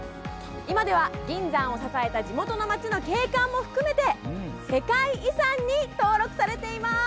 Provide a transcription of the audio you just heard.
今では、銀山を支えた地元の町の景観も含めて世界遺産に登録されています。